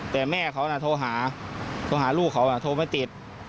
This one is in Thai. แต่แม่เขาน่ะโทรหาโทรหาลูกเขาโทรไม่ติด